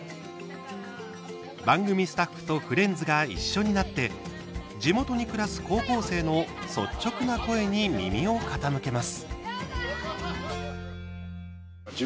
番組スタッフとフレンズが一緒になって地元に暮らす高校生の率直な声に耳を傾けます。